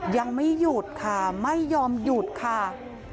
ยังไม่หยุดค่ะไม่ยอมหยุดค่ะ